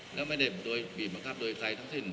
แล้วไม่ได้โดยบีบบังคับโดยใครทั้งสิ้น